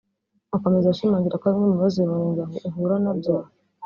Akomeza ashimangira ko bimwe mu bibazo uyu murenge uhura na byo